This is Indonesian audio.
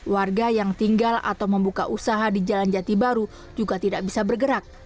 warga yang tinggal atau membuka usaha di jalan jati baru juga tidak bisa bergerak